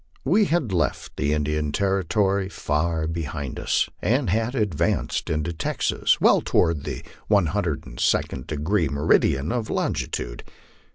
We had left the Indian Territory far behind us, and had advanced into Texas well toward the 102d meridian of longitude.